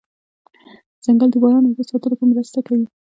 ځنګل د باران اوبو ساتلو کې مرسته کوي